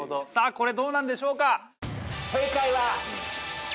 これどうなんでしょうか